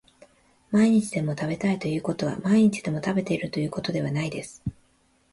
毎日でも食べたいということは毎日でも食べているということではないです